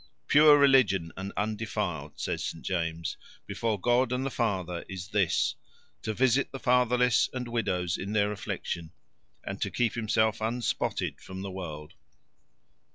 "Pure religion and undefiled," says St. James, "before God and the Father is this, To visit the fatherless and widows in their affliction, and to keep himself unspotted from the world."